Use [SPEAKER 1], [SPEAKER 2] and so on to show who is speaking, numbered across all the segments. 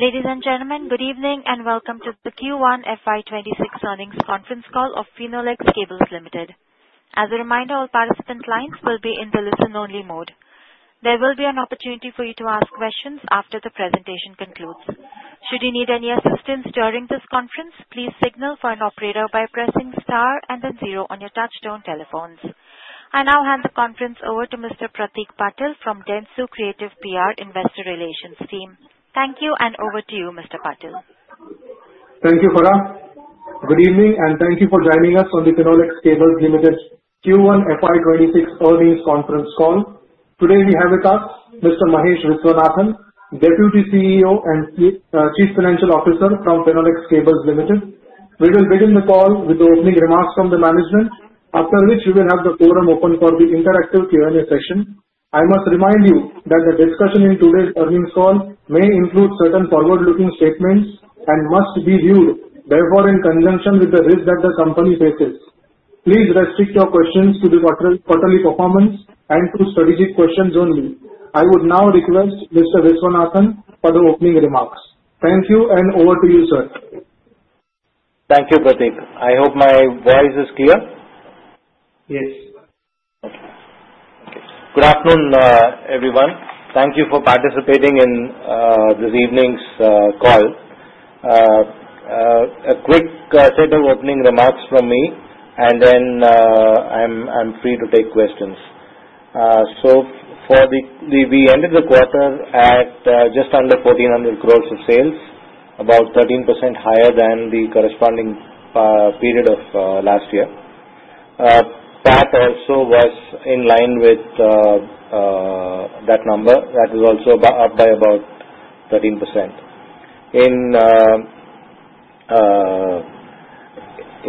[SPEAKER 1] Ladies and gentlemen, good evening and welcome to the Q1 FY 2026 Earnings Conference Call of Finolex Cables Ltd. As a reminder, all participant lines will be in the listen-only mode. There will be an opportunity for you to ask questions after the presentation concludes. Should you need any assistance during this conference, please signal for an operator by pressing star and then zero on your touch-tone telephones. I now hand the conference over to Mr. Pratik Patil from Dentsu Creative PR Investor Relations Team. Thank you and over to you, Mr. Patil.
[SPEAKER 2] Thank you, Farah. Good evening and thank you for joining us on the Finolex Cables Ltd Q1 FY 2026 Earnings Conference Call. Today we have with us Mr. Mahesh Viswanathan, Deputy CEO and Chief Financial Officer from Finolex Cables Ltd. We will begin the call with the opening remarks from the management, after which we will have the forum open for the interactive Q&A session. I must remind you that the discussion in today's earnings call may include certain forward-looking statements and must be viewed, therefore, in conjunction with the risks that the company faces. Please restrict your questions to the quarterly performance and to strategic questions only. I would now request Mr. Viswanathan for the opening remarks. Thank you and over to you, sir.
[SPEAKER 3] Thank you, Pratik. I hope my voice is clear.
[SPEAKER 2] Yes.
[SPEAKER 3] Good afternoon, everyone. Thank you for participating in this evening's call. A quick set of opening remarks from me, and then I'm free to take questions. For the quarter, we ended at just under 1,400 crores of sales, about 13% higher than the corresponding period of last year. PAT also was in line with that number. That was also up by about 13%.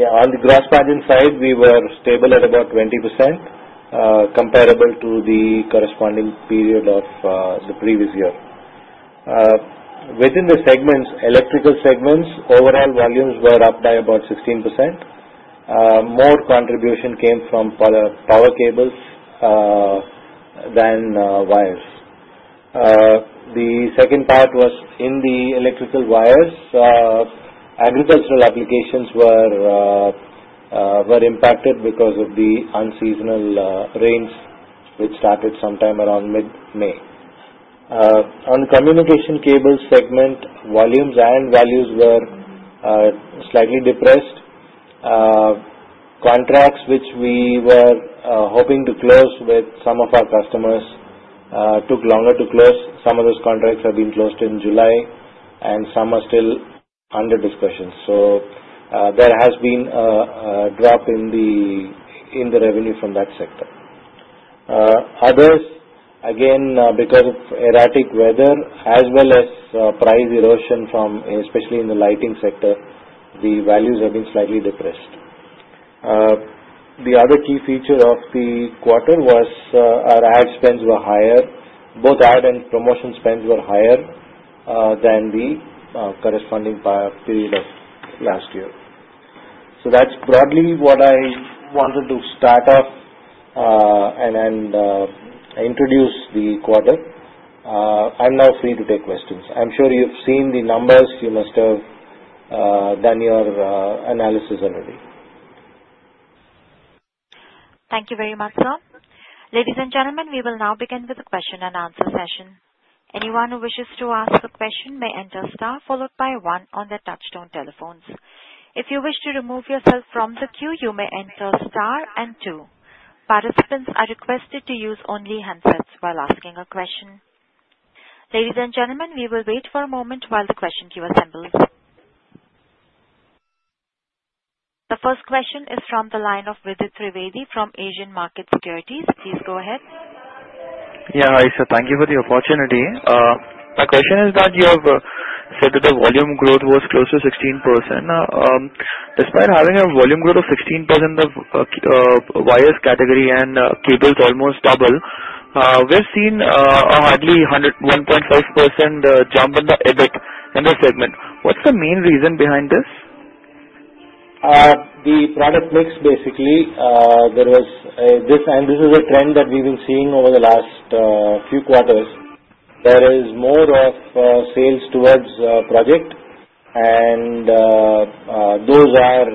[SPEAKER 3] On the gross margin side, we were stable at about 20%, comparable to the corresponding period of the previous year. Within the segments, electrical segments, overall values were up by about 16%. More contribution came from power cables than wires. The second part was in the electrical wires. Agricultural applications were impacted because of the unseasonal rains, which started sometime around mid-May. On the communication cables segment, volumes and values were slightly depressed. Contracts which we were hoping to close with some of our customers took longer to close. Some of those contracts have been closed in July, and some are still under discussion. There has been a drop in the revenue from that sector. Others, again, because of erratic weather, as well as price erosion, especially in the lighting sector, the values have been slightly depressed. The other key feature of the quarter was our ad spends were higher. Both ad and promotional expenditures were higher than the corresponding period of last year. That's probably what I wanted to start off and introduce the quarter. I'm now free to take questions. I'm sure you've seen the numbers. You must have done your analysis already.
[SPEAKER 1] Thank you very much, sir. Ladies and gentlemen, we will now begin with the question and answer session. Anyone who wishes to ask a question may enter star followed by one on their touch-tone telephones. If you wish to remove yourself from the queue, you may enter star and two. Participants are requested to use only handsets while asking a question. Ladies and gentlemen, we will wait for a moment while the question queue assembles. The first question is from the line of Vidit Trivedi from Asian Market Securities. Please go ahead.
[SPEAKER 4] Yeah, hi, sir. Thank you for the opportunity. My question is that you have said that the volume growth was close to 16%. Despite having a volume growth of 16% in the wires category and cables almost doubled, we've seen a hardly 1.5% jump in the EBIT in this segment. What's the main reason behind this?
[SPEAKER 3] The product looks basically... There is just, and this is a trend that we've been seeing over the last few quarters. There is more of sales towards projects, and those are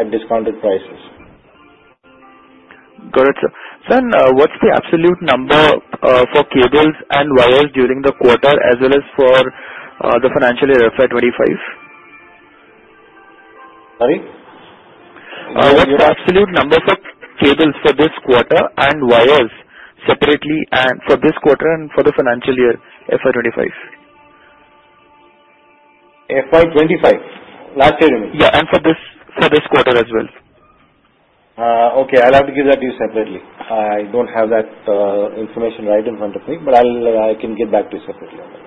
[SPEAKER 3] at discounted prices.
[SPEAKER 4] Got it, sir. What’s the absolute number for cables and wires during the quarter as well as for the financial year FY 2025?
[SPEAKER 3] Sorry?
[SPEAKER 4] Your absolute number for cables for this quarter and wires separately, and for this quarter and for the financial year FY 2025.
[SPEAKER 3] FY 2025, last year, you mean?
[SPEAKER 4] Yeah, for this quarter as well.
[SPEAKER 3] Okay, I'll have to give that to you separately. I don't have that information right in front of me, but I can get back to you separately on that.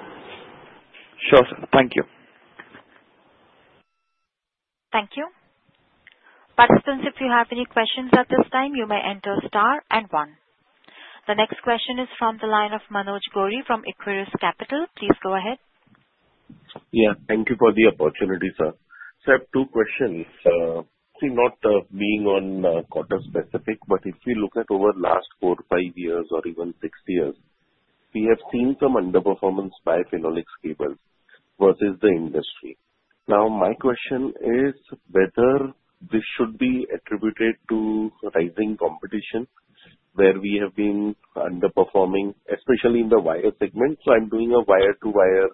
[SPEAKER 4] Sure, sir. Thank you.
[SPEAKER 1] Thank you. Participants, if you have any questions at this time, you may enter star and one. The next question is from the line of Manoj Gori from Equirus Capital. Please go ahead.
[SPEAKER 5] Yeah, thank you for the opportunity, sir. Sir, I have two questions. Not being on quarter specific, but if we look at over the last 4-5 years or even 6 years, we have seen some underperformance by Finolex Cables versus the industry. Now, my question is whether this should be attributed to rising competition where we have been underperforming, especially in the wire segment. I'm doing a wire-to-wire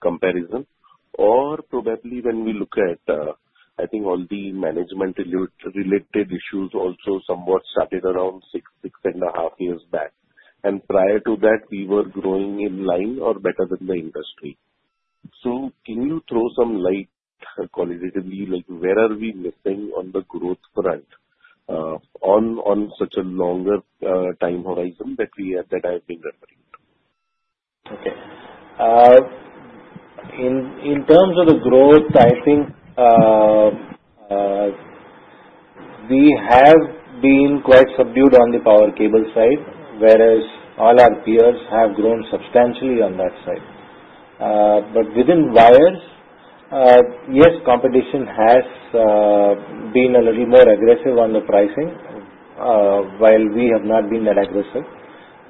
[SPEAKER 5] comparison, or probably when we look at, I think, all the management-related issues also somewhat started around 6-6.5 years back. Prior to that, we were growing in line or better than the industry. Can you throw some light qualitatively like where are we missing on the growth front on such a longer time horizon that I've been referring to?
[SPEAKER 3] Okay. In terms of the growth, I think we have been quite subdued on the power cable side, whereas all our peers have grown substantially on that side. Within wires, yes, competition has been a little more aggressive on the pricing, while we have not been that aggressive.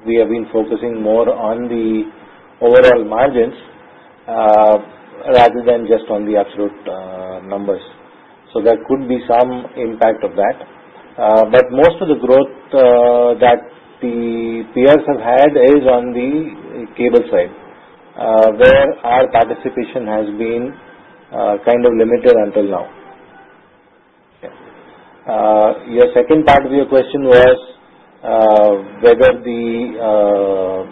[SPEAKER 3] We have been focusing more on the overall margins rather than just on the absolute numbers. There could be some impact of that. Most of the growth that the peers have had is on the cable side, where our participation has been kind of limited until now. Your second part of your question was whether the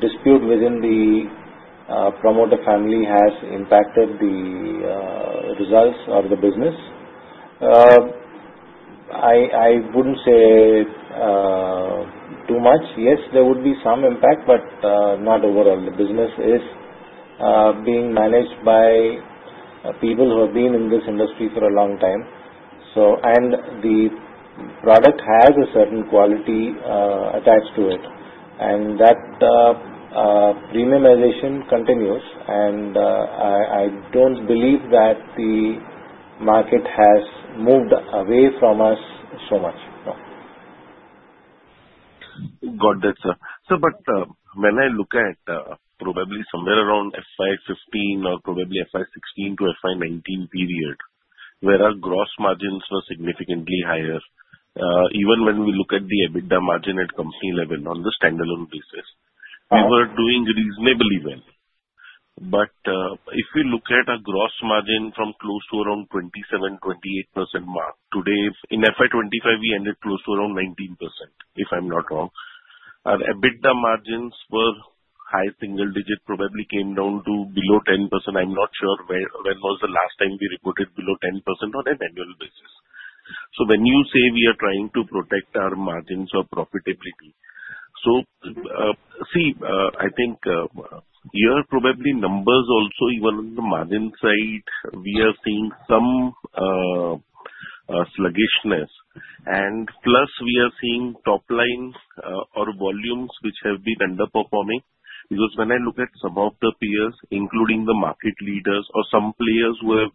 [SPEAKER 3] dispute within the promoter family has impacted the results of the business. I wouldn't say too much. Yes, there would be some impact, but not overall. The business is being managed by people who have been in this industry for a long time. The product has a certain quality attached to it. That premiumization continues. I don't believe that the market has moved away from us so much.
[SPEAKER 5] Got it, sir. When I look at probably somewhere around FY 2015 or probably FY 2016-FY 2019 period, where our gross margins were significantly higher, even when we look at the EBITDA margin at company level on the standalone basis, we were doing reasonably well. If we look at our gross margin from close to around 27%-28% mark today, in FY 2025, we ended close to around 19%, if I'm not wrong. Our EBITDA margins were high single-digit, probably came down to below 10%. I'm not sure when was the last time we reported below 10% on an annual basis. When you say we are trying to protect our margins of profitability, I think your probably numbers also, even on the margin side, we are seeing some sluggishness. Plus, we are seeing top line or volumes which have been underperforming because when I look at some of the peers, including the market leaders or some players who have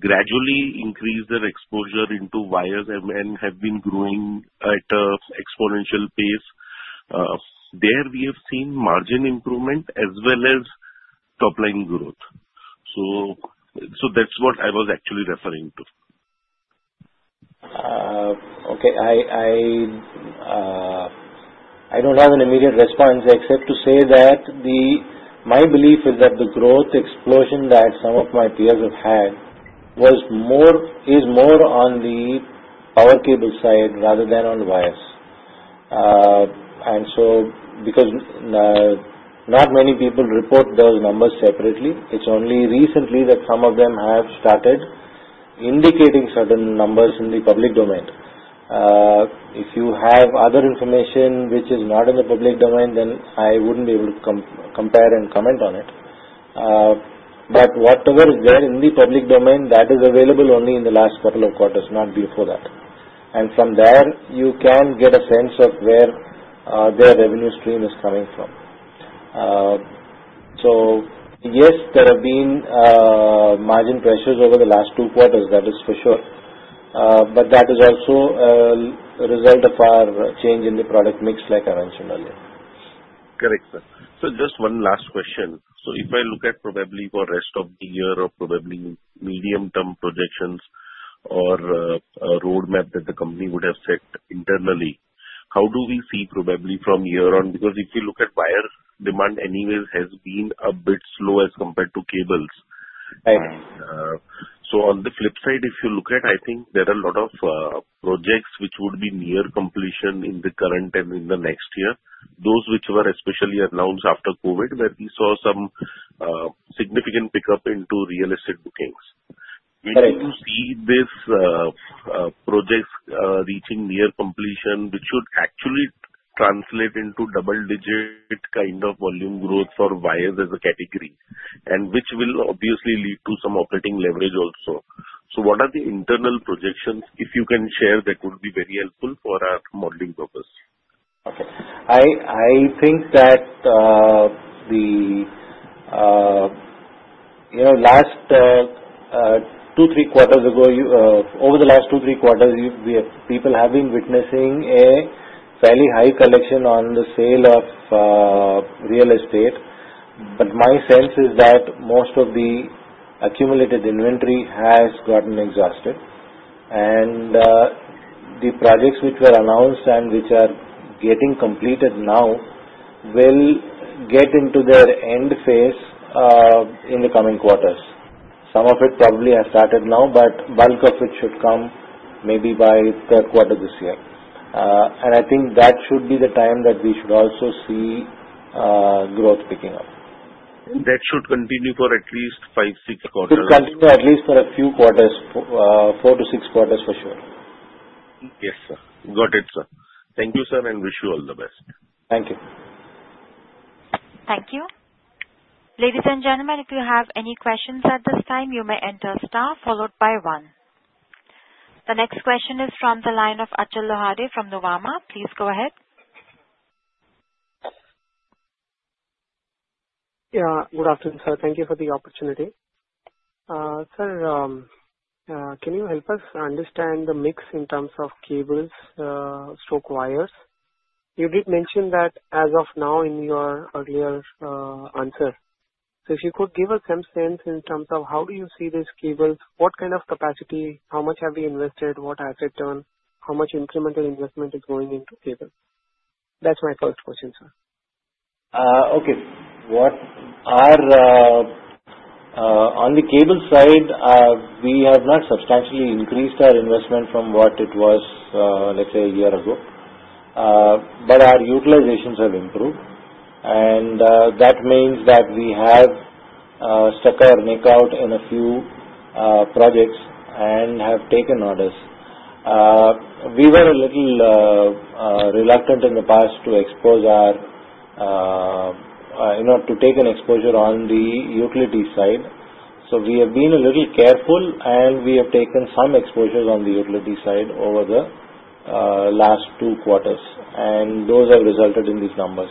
[SPEAKER 5] gradually increased their exposure into wires and have been growing at an exponential pace, there we have seen margin improvement as well as top line growth. That's what I was actually referring to.
[SPEAKER 3] Okay. I don't have an immediate response except to say that my belief is that the growth explosion that some of my peers have had was more on the power cable side rather than on wires. Since not many people report those numbers separately, it's only recently that some of them have started indicating certain numbers in the public domain. If you have other information which is not in the public domain, then I wouldn't be able to compare and comment on it. Whatever is there in the public domain is available only in the last couple of quarters, not before that. From there, you can get a sense of where their revenue stream is coming from. Yes, there have been margin pressures over the last two quarters, that is for sure. That is also a result of our change in the product mix, like I mentioned earlier.
[SPEAKER 5] Correct, sir. Just one last question. If I look at probably for the rest of the year or probably medium-term projections or a roadmap that the company would have set internally, how do we see probably from year on? If you look at wire, demand anywhere has been a bit slow as compared to cables. On the flip side, if you look at, I think there are a lot of projects which would be near completion in the current and in the next year, those which were especially announced after COVID, where we saw some significant pickup into real estate bookings.
[SPEAKER 3] Correct.
[SPEAKER 5] If you see these projects reaching near completion, which would actually translate into double-digit kind of volume growth for wires as a category, which will obviously lead to some operating leverage also. What are the internal projections? If you can share, that would be very helpful for our modeling purpose.
[SPEAKER 3] I think that the last 2-3 quarters ago, over the last 2-3 quarters, people have been witnessing a slightly high collection on the sale of real estate. My sense is that most of the accumulated inventory has gotten exhausted. The projects which were announced and which are getting completed now will get into their end phase in the coming quarters. Some of it probably has started now, but the bulk of it should come maybe by third quarter this year. I think that should be the time that we should also see growth picking up.
[SPEAKER 5] That should continue for at least 5-6 quarters.
[SPEAKER 3] Should continue at least for a few quarters, 4-6 quarters for sure.
[SPEAKER 5] Yes, sir. Got it, sir. Thank you, sir, and wish you all the best.
[SPEAKER 3] Thank you.
[SPEAKER 1] Thank you. Ladies and gentlemen, if you have any questions at this time, you may enter star followed by one. The next question is from the line of Achal Lohade from Nuvama. Please go ahead.
[SPEAKER 6] Good afternoon, sir. Thank you for the opportunity. Sir, can you help us understand the mix in terms of cables, and wires? You did mention that as of now in your earlier answer. If you could give us some sense in terms of how do you see this cable, what kind of capacity, how much have we invested, what has returned, how much incremental investment is going into cable? That's my first question, sir.
[SPEAKER 3] Okay. On the cable side, we have not substantially increased our investment from what it was, let's say, a year ago. Our utilizations have improved, and that means that we have stuck our neck out in a few projects and have taken orders. We were a little reluctant in the past to take an exposure on the utility side. We have been a little careful, and we have taken some exposures on the utility side over the last two quarters. Those have resulted in these numbers.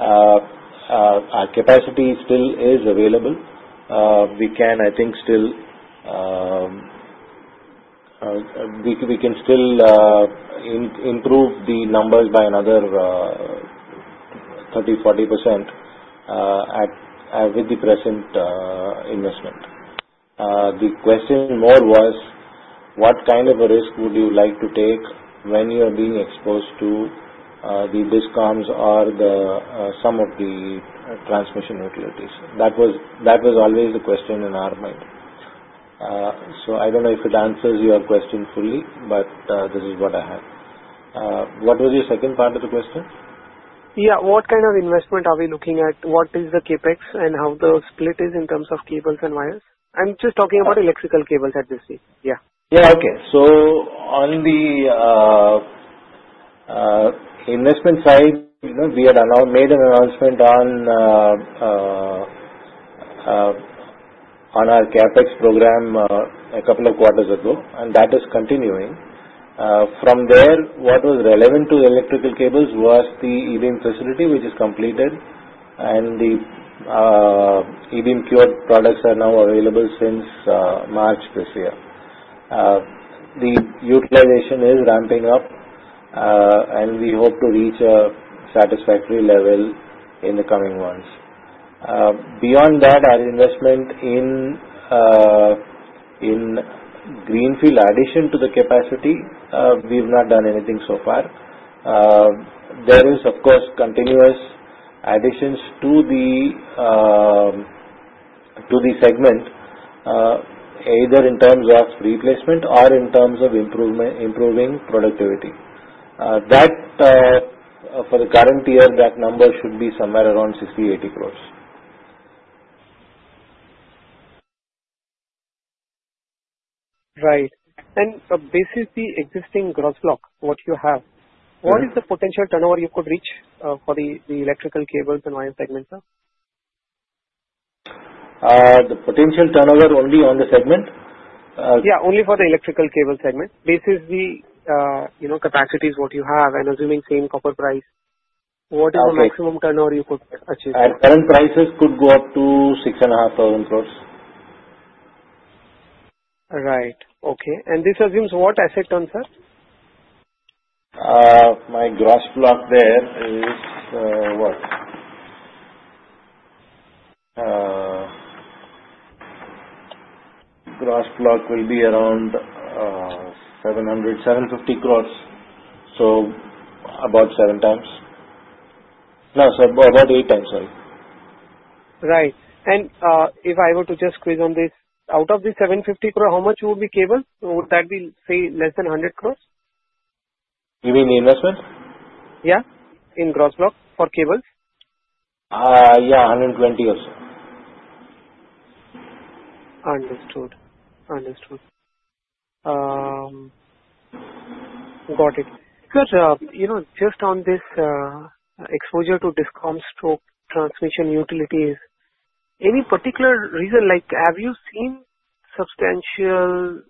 [SPEAKER 3] Our capacity still is available. I think we can still improve the numbers by another 30-40% with the present investment. The question more was, what kind of a risk would you like to take when you're being exposed to the DISCOMs or some of the transmission utilities. That was always the question in our mind. I don't know if it answers your question fully, but this is what I have. What was your second part of the question?
[SPEAKER 6] Yeah, what kind of investment are we looking at? What is the CapEx and how the split is in terms of cables and wires? I'm just talking about electrical cables at this stage.
[SPEAKER 3] Yeah, okay. On the investment side, we had made an announcement on our CapEx program a couple of quarters ago, and that is continuing. From there, what was relevant to electrical cables was the e-beam facility, which is completed, and the e-beam QR products are now available since March this year. The utilization is ramping up, and we hope to reach a satisfactory level in the coming months. Beyond that, our investment in greenfield addition to the capacity, we've not done anything so far. There is, of course, continuous additions to the segment, either in terms of replacement or in terms of improving productivity. For the current year, that number should be somewhere around 60-80 crore.
[SPEAKER 6] Right. This is the existing gross block, what you have. What is the potential turnover you could reach for the electrical cables and wire segment, sir?
[SPEAKER 3] The potential turnover only on the segment?
[SPEAKER 6] Yeah, only for the electrical cable segment. This is the capacity is what you have. I'm assuming same copper price. What is the maximum turnover you could achieve?
[SPEAKER 3] At current prices, it could go up to 6,500 crores.
[SPEAKER 6] Right. Okay. This assumes what asset turn, sir?
[SPEAKER 3] My gross block there is what? Gross block will be around 700-750 crore. About 7x. No, about 8x, sorry.
[SPEAKER 6] Right. If I were to just squeeze on this, out of the 750 crore, how much would be cable? Would that be, say, less than 100 crore?
[SPEAKER 3] You mean the investment?
[SPEAKER 6] Yeah, in gross block for cables.
[SPEAKER 3] Yeah, 120 or so.
[SPEAKER 6] Understood. Got it. Sir, just on this exposure to DISCOMs transmission utilities, any particular reason? Have you seen substantial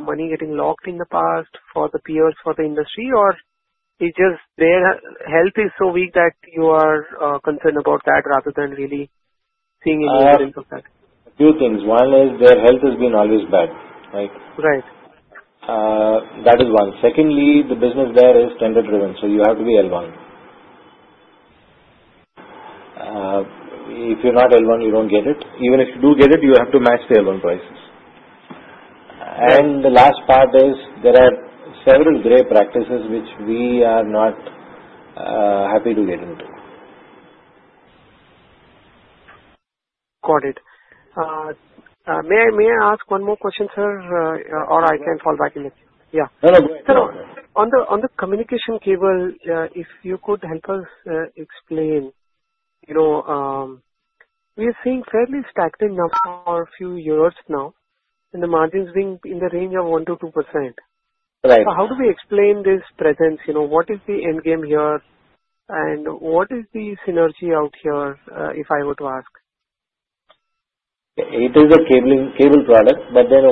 [SPEAKER 6] money getting locked in the past for the peers for the industry, or is it just their health is so weak that you are concerned about that rather than really seeing any evidence of that?
[SPEAKER 3] Two things. One is their health has been always bad.
[SPEAKER 6] Right.
[SPEAKER 3] That is one. Secondly, the business there is tender-driven, so you have to be L1. If you're not L1, you don't get it. Even if you do get it, you have to match the L1 prices. The last part is there are several gray practices which we are not happy to get into.
[SPEAKER 6] Got it. May I ask one more question, sir, or I can fall back in it?
[SPEAKER 3] No, go ahead.
[SPEAKER 6] Sir, on the communication cable, if you could help us explain, you know, we are seeing fairly stagnant number for a few years now, and the margins being in the range of 1-2%.
[SPEAKER 3] Right.
[SPEAKER 6] How do we explain this presence? What is the endgame here, and what is the synergy out here, if I were to ask?
[SPEAKER 3] It is a cable product, but then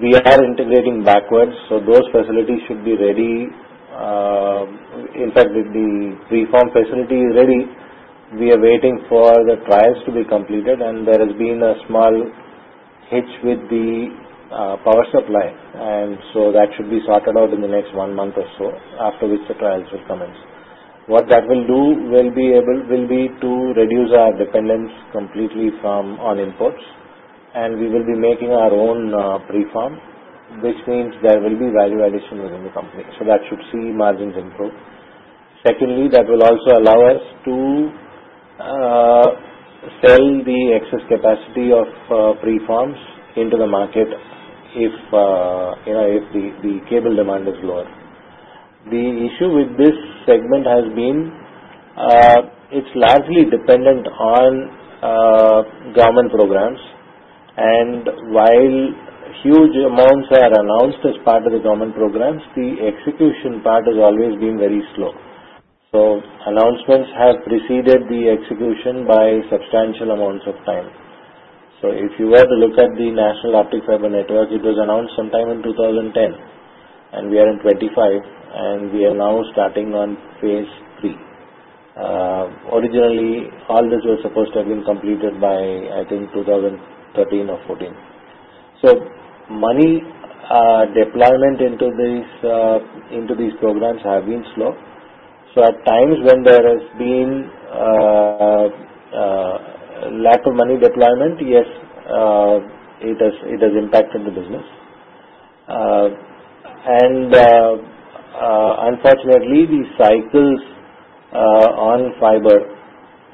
[SPEAKER 3] we are integrating backwards, so those facilities should be ready. In fact, with the preform facility ready, we are waiting for the trials to be completed, and there has been a small hitch with the power supply. That should be sorted out in the next one month or so, after which the trials will commence. What that will do is be able to reduce our dependence completely from all inputs, and we will be making our own preform, which means there will be value addition within the company. That should see margins improve. Secondly, that will also allow us to sell the excess capacity of preforms into the market if the cable demand is lower. The issue with this segment has been it's largely dependent on government programs. While huge amounts are announced as part of the government programs, the execution part has always been very slow. Announcements have preceded the execution by substantial amounts of time. If you were to look at the National Optic Fiber Network, it was announced sometime in 2010, and we are in 2025, and we are now starting on phase III. Originally, all this was supposed to have been completed by, I think, 2013 or 2014. Money deployment into these programs has been slow. At times when there has been a lack of money deployment, yes, it has impacted the business. Unfortunately, the cycles on fiber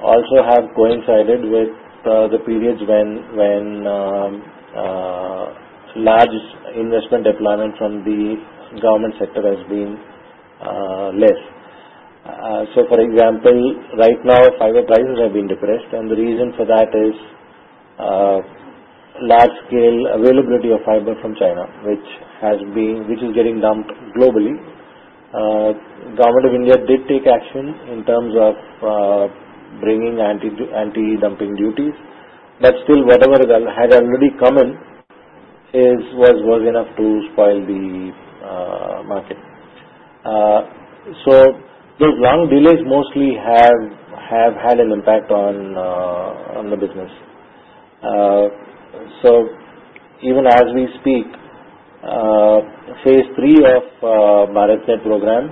[SPEAKER 3] also have coincided with the periods when large investment deployment from the government sector has been less. For example, right now, fiber prices have been depressed, and the reason for that is large-scale availability of fiber from China, which is getting dumped globally. The government of India did take action in terms of bringing anti-dumping duties. That's still whatever has already come in was worth enough to spoil the market. The long delays mostly have had an impact on the business. Even as we speak, phase III of BharatNet program,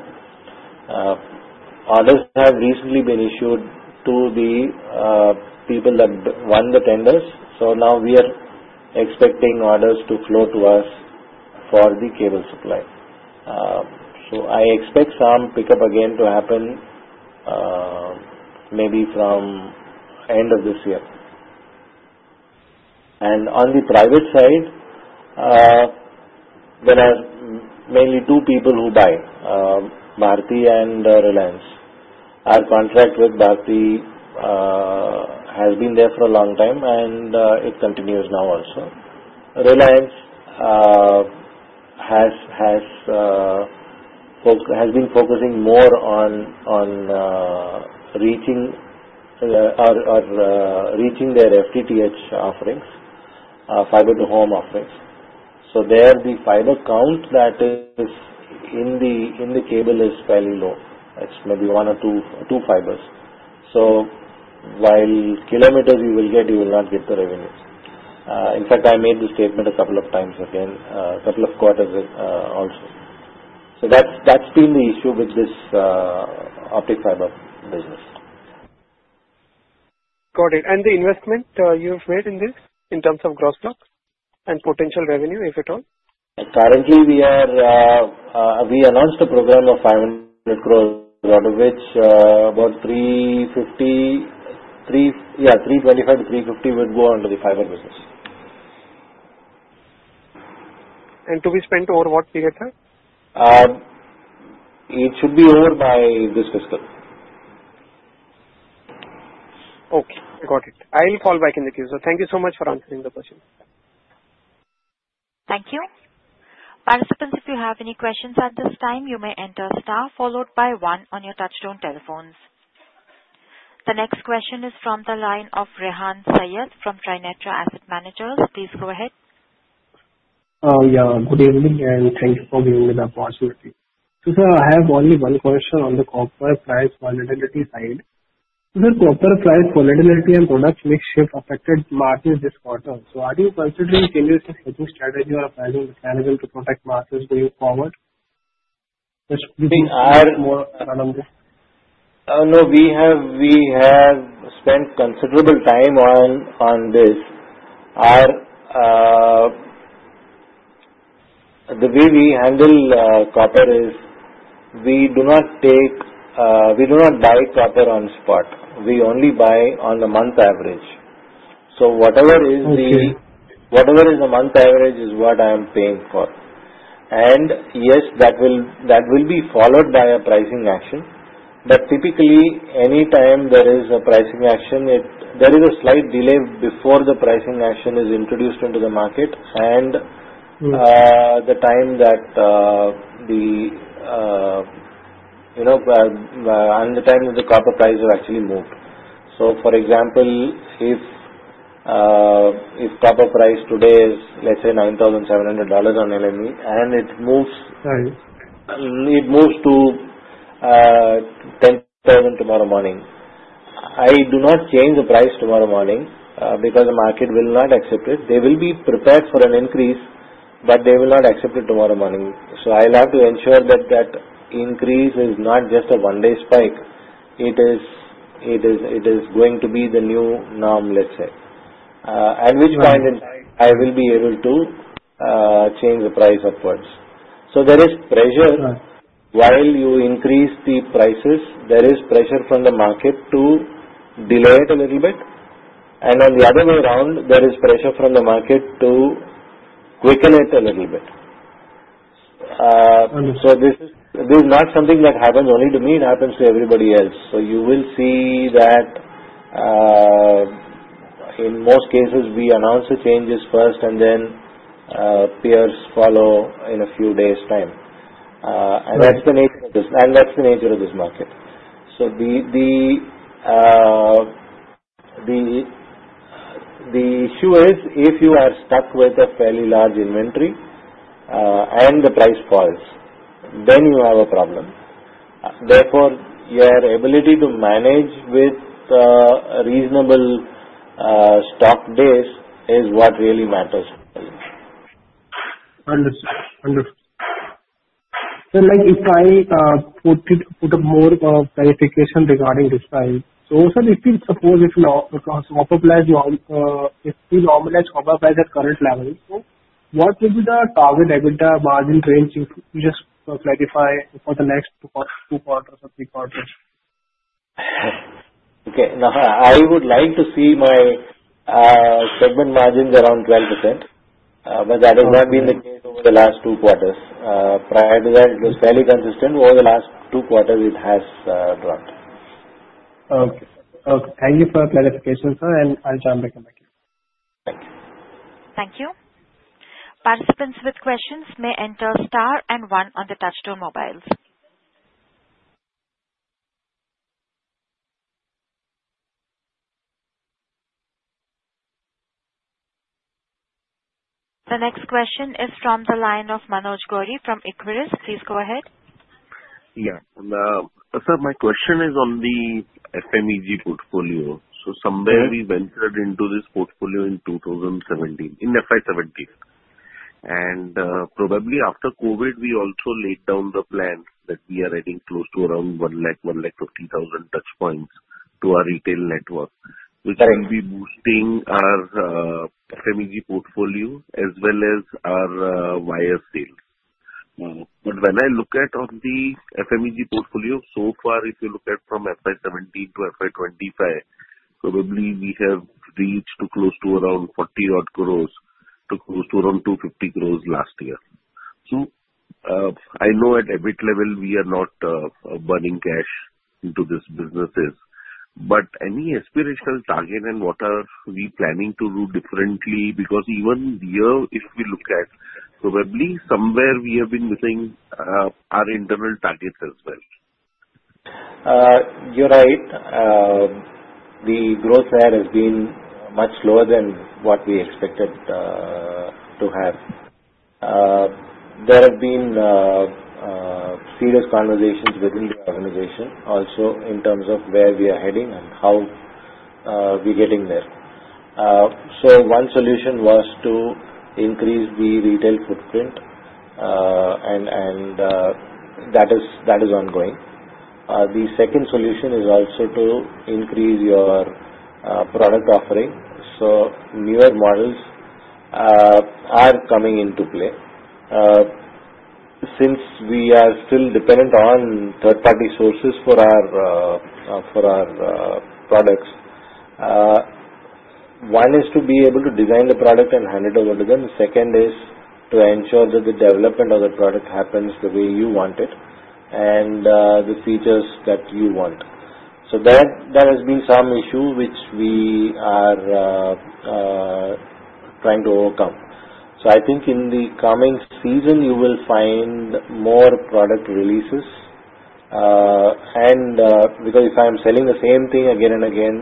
[SPEAKER 3] orders have recently been issued to the people that run the tenders. Now we are expecting orders to flow to us for the cable supplies. I expect some pickup again to happen maybe from the end of this year. On the private side, there are mainly two people who buy, Bharti and Reliance. Our contract with Bharti has been there for a long time, and it continues now also. Reliance has been focusing more on reaching their FTTH offerings, fiber-to-home offerings. There, the fiber count that is in the cable is fairly low. It's maybe one or two fibers. While kilometers you will get, you will not get the revenues. In fact, I made this statement a couple of times again, a couple of quarters also. That's been the issue with this optic fiber business.
[SPEAKER 6] Got it. The investment you've made in this in terms of gross block and potential revenue, if at all?
[SPEAKER 3] Currently, we announced a program of 500 crore, out of which about 325-350 crore would go under the fiber business.
[SPEAKER 6] To be spent over what period of time?
[SPEAKER 3] It should be over by this fiscal.
[SPEAKER 6] Okay, I got it. I'll call back in the queue. Thank you so much for answering the question.
[SPEAKER 1] Thank you. Participants, if you have any questions at this time, you may enter star followed by one on your touch-tone telephones. The next question is from the line of Rehan Saiyyed from Trinetra Asset Managers. Please go ahead.
[SPEAKER 7] Good evening, and thank you for giving me the opportunity. Sir, I have only one question on the copper price volatility side. Copper price volatility and product mix have affected margins this quarter. Are you considering changes to strategy or planning to protect margins going forward?
[SPEAKER 3] No, we have spent considerable time on this. The way we handle copper is we do not take, we do not buy copper on spot. We only buy on the month average. Whatever is the month average is what I'm paying for. Yes, that will be followed by a pricing action. Typically, anytime there is a pricing action, there is a slight delay before the pricing action is introduced into the market and the time that the copper price has actually moved. For example, if copper price today is, let's say, $9,700 on LME and it moves to $10,000 tomorrow morning, I do not change the price tomorrow morning because the market will not accept it. They will be prepared for an increase, but they will not accept it tomorrow morning. I have to ensure that the increase is not just a one-day spike. It is going to be the new norm, let's say, and which kind of I will be able to change the price upwards. There is pressure. While you increase the prices, there is pressure from the market to delay it a little bit. On the other way around, there is pressure from the market to quicken it a little bit. This is not something that happens only to me. It happens to everybody else. You will see that in most cases, we announce the changes first and then peers follow in a few days' time. That is the nature of this market. The issue is if you are stuck with a fairly large inventory and the price falls, then you have a problem. Therefore, your ability to manage with a reasonable stock base is what really matters.
[SPEAKER 7] Understood. Understood. Sir, if I put a more clarification regarding this price, if you suppose if you know because copper price is still normalized, copper price at current level, what will be the target EBITDA margin range just for the next two quarters or three quarters?
[SPEAKER 3] Okay. Now, I would like to see my equipment margins around 12%, but that has not been the case over the last two quarters. Prior to that, it was fairly consistent. Over the last two quarters, it has dropped.
[SPEAKER 7] Okay. Thank you for clarification, sir, and I'll jump back in the queue.
[SPEAKER 1] Thank you. Participants with questions may enter star and one on the touch-tone mobiles. The next question is from the line of Manoj Gori from Equirus Capital. Please go ahead.
[SPEAKER 5] Yeah. Sir, my question is on the FMEG portfolio. Somewhere we ventured into this portfolio in 2017, in FY 2017. Probably after COVID, we also laid down the plan that we are, I think, close to around 100,000-150,000 touchpoints to our retail network, which will be boosting our FMEG portfolio as well as our wire sales. When I look at the FMEG portfolio, so far, if you look at from FY 2017-FY 2025, probably we have reached close to around 40 crore to close to around 250 crore last year. I know at EBIT level, we are not burning cash into these businesses. Any aspirational target and what are we planning to do differently? Even here, if we look at probably somewhere we have been missing our internal targets as well.
[SPEAKER 3] You're right. The growth there has been much slower than what we expected to have. There have been serious conversations within the organization, also in terms of where we are heading and how we're getting there. One solution was to increase the retail footprint, and that is ongoing. The second solution is also to increase your product offering. Newer models are coming into play. Since we are still dependent on third-party sources for our products, one is to be able to design the product and hand it over to them. The second is to ensure that the development of the product happens the way you want it and the features that you want. That has been some issue which we are trying to overcome. I think in the coming season, you will find more product releases. If I am selling the same thing again and again,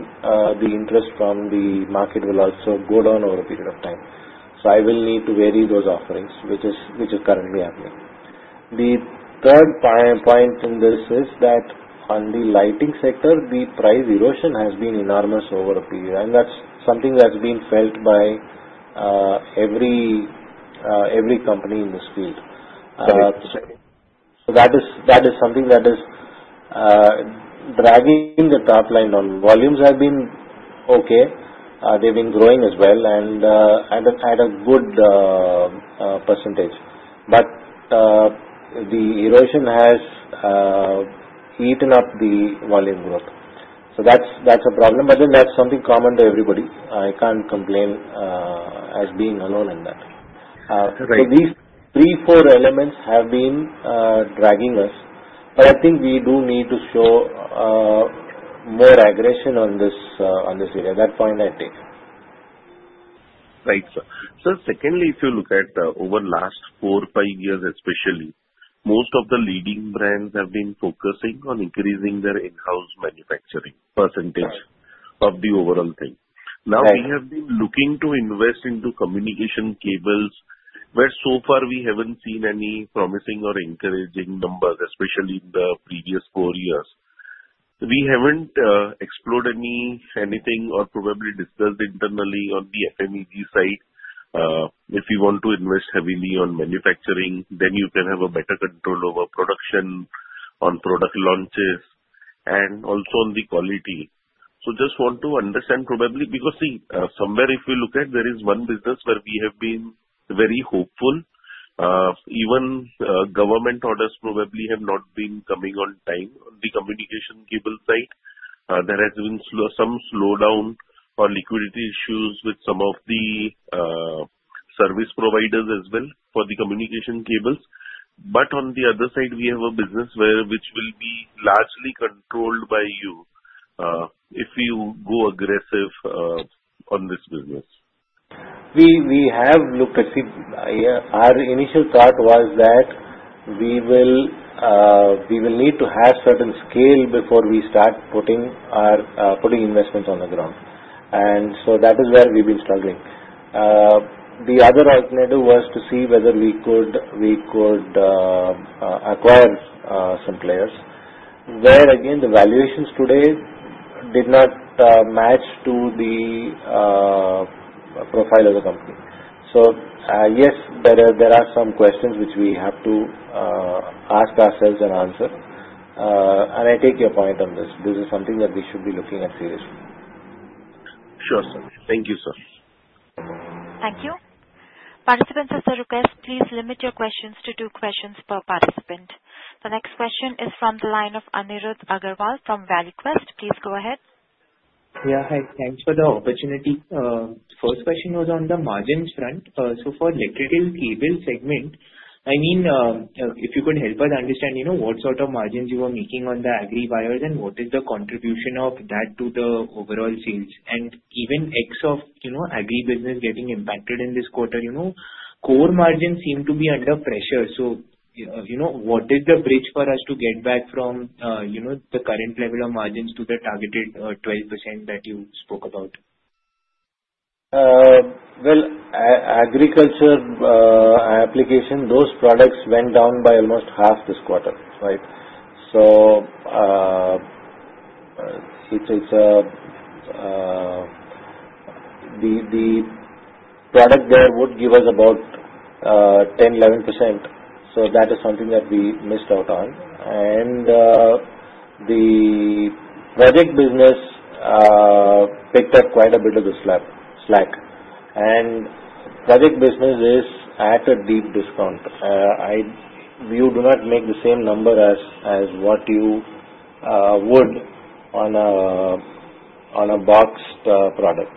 [SPEAKER 3] the interest from the market will also go down over a period of time. I will need to vary those offerings, which is currently happening. The third point in this is that on the lighting sector, the price erosion has been enormous over a period. That's something that's been felt by every company in this field. That is something that is dragging the top line. Volumes have been okay. They've been growing as well and at a good percentage. The erosion has eaten up the volume growth. That's a problem. That's something common to everybody. I can't complain as being alone in that. These three, four elements have been dragging us. I think we do need to show more aggression on this area, that point, I think.
[SPEAKER 5] Right, sir. Secondly, if you look at over the last 4-5 years, especially, most of the leading brands have been focusing on increasing their in-house manufacturing percentage of the overall thing. We have been looking to invest into communication cables, where so far we haven't seen any promising or encouraging numbers, especially in the previous four years. We haven't explored anything or probably discussed internally on the FMEG side. If you want to invest heavily on manufacturing, then you can have a better control over production, on product launches, and also on the quality. I just want to understand probably because, see, somewhere if you look at, there is one business where we have been very hopeful. Even government orders probably have not been coming on time on the communication cable side. There has been some slowdown or liquidity issues with some of the service providers as well for the communication cables. On the other side, we have a business which will be largely controlled by you if you go aggressive on this business.
[SPEAKER 3] We have, look, our initial thought was that we will need to have certain scale before we start putting investments on the ground. That is where we've been struggling. The other alternative was to see whether we could acquire some players, where again, the valuations today did not match to the profile of the company. Yes, there are some questions which we have to ask ourselves and answer. I take your point on this. This is something that we should be looking at seriously.
[SPEAKER 5] Sure, sir. Thank you, sir.
[SPEAKER 1] Thank you. Participants of the request, please limit your questions to two questions per participant. The next question is from the line of Anirudh Agarwal from Valuequest. Please go ahead.
[SPEAKER 8] Yeah, hi. Thanks for the opportunity. First question was on the margins front. For electrical cable segment, if you could help us understand what sort of margins you were making on the agri-wires and what is the contribution of that to the overall sales? Even excluding agri-business getting impacted in this quarter, core margins seem to be under pressure. What did the bridge for us to get back from the current level of margins to the targeted 12% that you spoke about?
[SPEAKER 3] Agriculture application, those products went down by almost half this quarter, right? The product there would give us about 10%-11%. That is something that we missed out on. The private business picked up quite a bit of the slack. Private business is at a deep discount. You do not make the same number as what you would on a boxed product.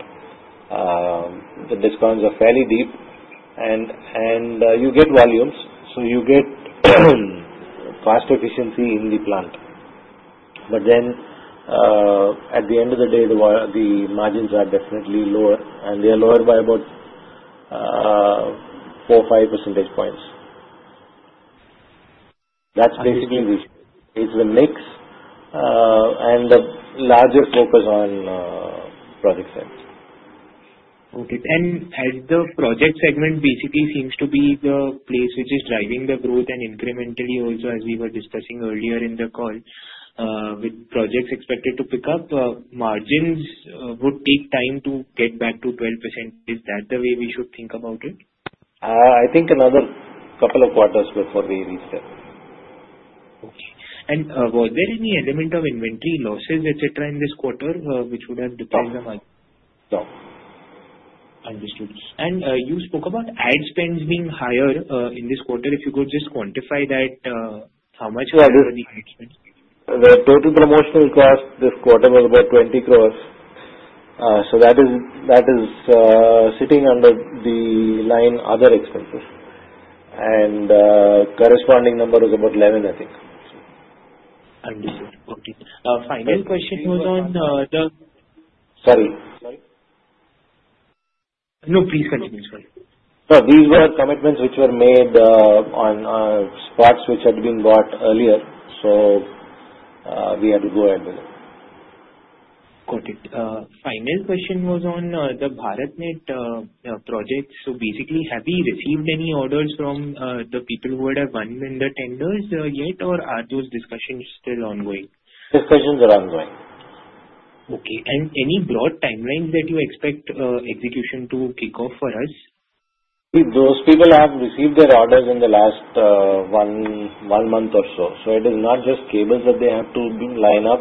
[SPEAKER 3] The discounts are fairly deep, and you get volumes. You get faster efficiency in the plant, but at the end of the day, the margins are definitely lower, and they are lower by about 4-5 percentage points. That's basically the issue. It's the mix and the larger focus on project sites.
[SPEAKER 8] Okay. As the project segment basically seems to be the place which is driving the growth and incrementally also, as we were discussing earlier in the call, with projects expected to pick up, margins would take time to get back to 12%. Is that the way we should think about it?
[SPEAKER 3] I think another couple of quarters before they reach that.
[SPEAKER 8] Okay. Was there any element of inventory losses, etc., in this quarter which would have decreased the margin?
[SPEAKER 3] No.
[SPEAKER 8] Understood. You spoke about ad and promotional expenditures being higher in this quarter. If you could just quantify that, how much were the ad and promotional expenditures?
[SPEAKER 3] The total promotional cost this quarter was about 20 crore. That is sitting under the line other expenses. The corresponding number was about 11 crore, I think.
[SPEAKER 8] Understood. Okay. Final question was on the.
[SPEAKER 3] Sorry.
[SPEAKER 8] No, please continue.
[SPEAKER 3] These were commitments which were made on spots which had been bought earlier. We had to go ahead with them.
[SPEAKER 8] Got it. Final question was on the BharatNet projects. Basically, have you received any orders from the people who would have won vendor tenders yet, or are those discussions still ongoing?
[SPEAKER 3] Discussions are ongoing.
[SPEAKER 8] Okay. Any broad timeline that you expect execution to kick off for us?
[SPEAKER 3] Those people have received their orders in the last one month or so. It is not just cables that they have to line up.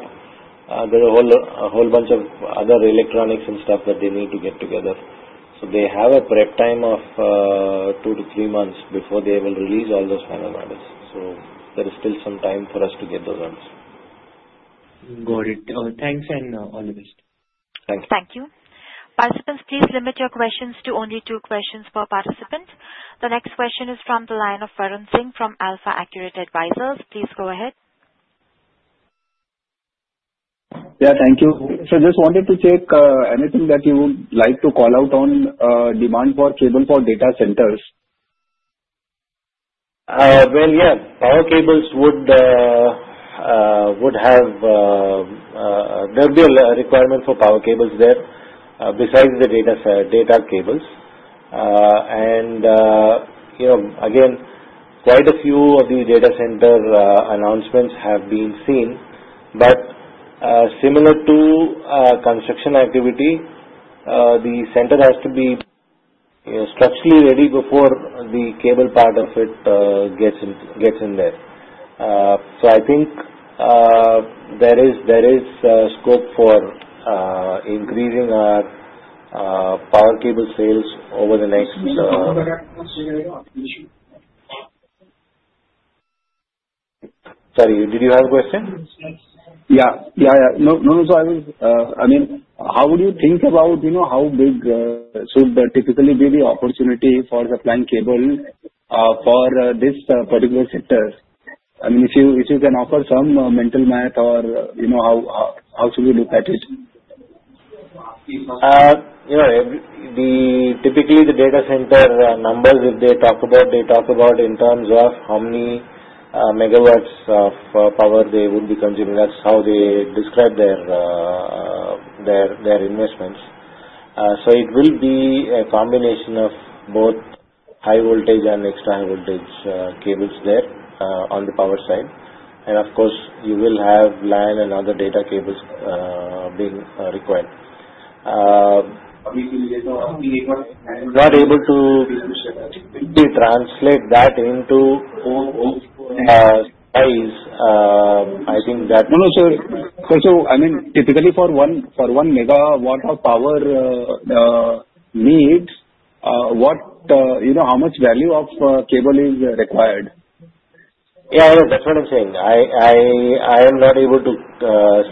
[SPEAKER 3] There are a whole bunch of other electronics and stuff that they need to get together. They have a prep time of two to three months before they will release all those final orders. There is still some time for us to get those orders.
[SPEAKER 8] Got it. Thanks, and all the best.
[SPEAKER 3] Thanks.
[SPEAKER 1] Thank you. Participants, please limit your questions to only two questions per participant. The next question is from the line of Varun Singh from AlfAccurate Advisors. Please go ahead.
[SPEAKER 9] Thank you. I just wanted to check anything that you would like to call out on demand for cable for data centers.
[SPEAKER 3] Power cables would have a requirement for power cables there besides the data cables. Quite a few of the data center announcements have been seen. Similar to construction activity, the center has to be structurally ready before the cable part of it gets in there. I think there is scope for increasing our power cable sales over the next. Sorry, did you have a question?
[SPEAKER 9] How would you think about how big should typically be the opportunity for the planned cable for this particular sector? If you can offer some mental math or how should we look at it?
[SPEAKER 3] Typically, the data center numbers that they talk about, they talk about in terms of how many megawatts of power they would be consuming. That's how they describe their investments. It will be a combination of both high voltage and extra high voltage cables there on the power side. Of course, you will have LAN and other data cables being required. In order to translate that into size, I think
[SPEAKER 9] Typically for 1 MW of power needs, how much value of cable is required?
[SPEAKER 3] I am not able to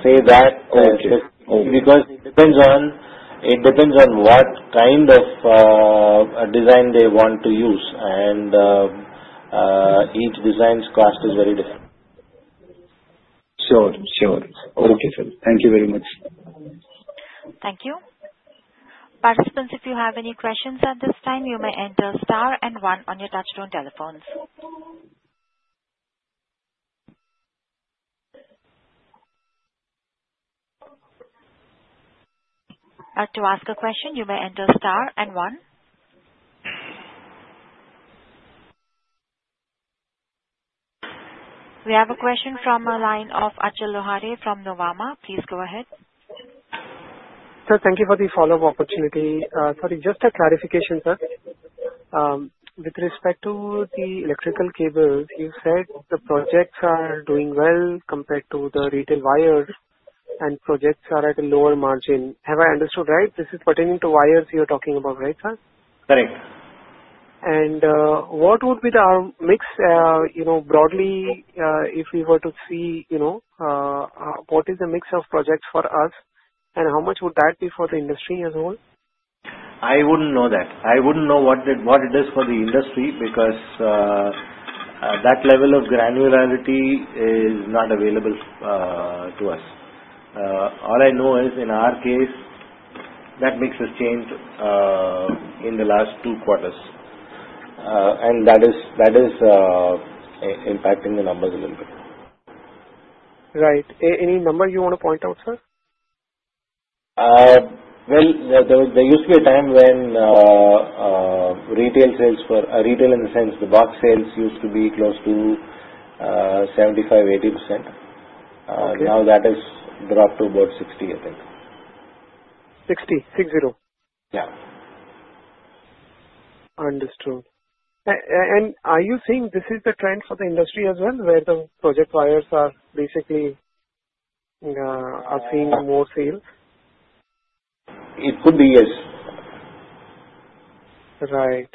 [SPEAKER 3] say that because it depends on what kind of design they want to use, and each design's cost is very different.
[SPEAKER 9] Sure, sure. Okay, sir. Thank you very much.
[SPEAKER 1] Thank you. Participants, if you have any questions at this time, you may enter star and one on your touch-tone telephones. To ask a question, you may enter star and one. We have a question from a line of Achal Lohade from Nuvama. Please go ahead.
[SPEAKER 6] Sir, thank you for the follow-up opportunity. Sorry, just a clarification, sir. With respect to the electrical cables, you said the projects are doing well compared to the retail wires, and projects are at a lower margin. Have I understood right? This is pertaining to wires you're talking about, right, sir?
[SPEAKER 3] Correct.
[SPEAKER 6] What would be the mix? Broadly, if we were to see, what is the mix of projects for us, and how much would that be for the industry as a whole?
[SPEAKER 3] I wouldn't know that. I wouldn't know what it is for the industry because that level of granularity is not available to us. All I know is in our case, that mix has changed in the last two quarters, and that is impacting the numbers a little bit.
[SPEAKER 6] Right. Any number you want to point out, sir?
[SPEAKER 3] There used to be a time when retail sales, retail in the sense the box sales, used to be close to 75-80%. Now that has dropped to about 60%, I think.
[SPEAKER 6] 60, six zero?
[SPEAKER 3] Yeah.
[SPEAKER 6] Understood. Are you saying this is the trend for the industry as well, where the project wires are basically seeing more sales?
[SPEAKER 3] It could be, yes.
[SPEAKER 6] Right.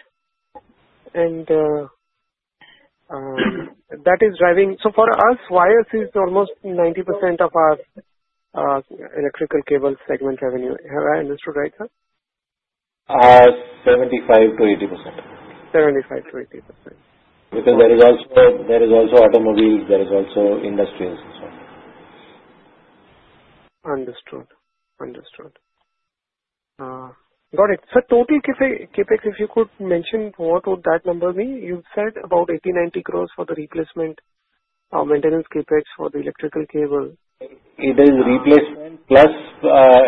[SPEAKER 6] That is driving, so for us, wires is almost 90% of our electrical cable segment revenue. Have I understood right, sir?
[SPEAKER 3] 75%-80%.
[SPEAKER 6] 75%-80%.
[SPEAKER 3] Because there is also automobile, there is also industry as well.
[SPEAKER 6] Understood. Got it. Sir, total CapEx, if you could mention what would that number be? You've said about 80-90 crore for the replacement, maintenance CapEx for the electrical cable.
[SPEAKER 3] Even replace plus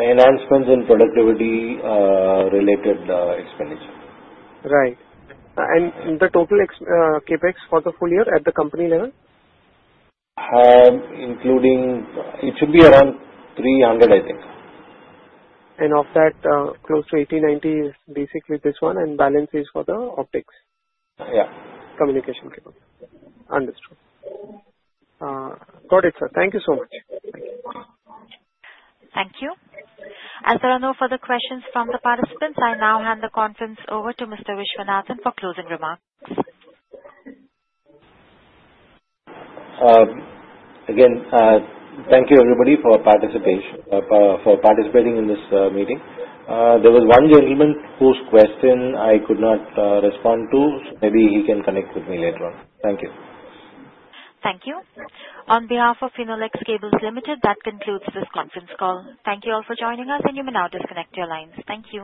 [SPEAKER 3] enhancements in productivity-related expenditure.
[SPEAKER 6] Right. What is the total CapEx for the full year at the company level?
[SPEAKER 3] Including, it should be around 300 crores, I think.
[SPEAKER 6] Of that, close to 80 crores-90 crores basically this one, and balance is for the optic fiber cables?
[SPEAKER 3] Yeah.
[SPEAKER 6] Communication cables. Understood. Got it, sir. Thank you so much.
[SPEAKER 1] Thank you. As there are no further questions from the participants, I now hand the conference over to Mr. Viswanathan for closing remarks.
[SPEAKER 3] Again, thank you, everybody, for participating in this meeting. There was one gentleman whose question I could not respond to. Maybe he can connect with me later on. Thank you.
[SPEAKER 1] Thank you. On behalf of Finolex Cables Ltd, that concludes this conference call. Thank you all for joining us, and you may now disconnect your lines. Thank you.